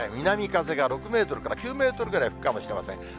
南風が６メートルから９メートルぐらい吹くかもしれません。